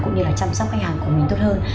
cũng như là chăm sóc khách hàng của mình tốt hơn